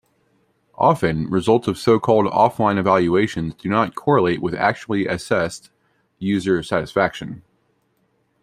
Often, results of so-called offline evaluations do not correlate with actually assessed user-satisfaction.